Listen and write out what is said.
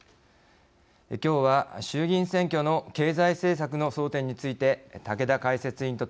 きょうは衆議院選挙の経済政策の争点について竹田解説委員とともにお伝えしました。